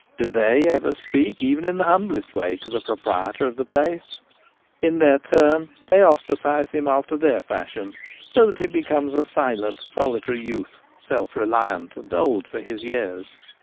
Do they ever speak, even in the humblest way, to the proprietor of the place ? In their turn they ostracise him after their fashion ; so he becomes a silent, solitary youth, self reliant, and old for his years.